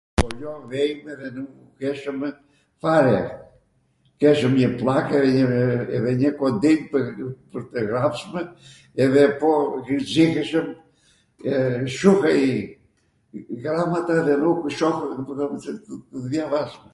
skoljo vejmw edhe nukw keshwmw fare, keshwm njw pllakw edhe njw kondil pwr tw ghrapsmw edhe po nxihwshwn shuhej ghramata dhe nukw shohwmw ... pse ku dhjavasnjwm